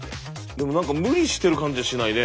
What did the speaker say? でも何か無理してる感じはしないね。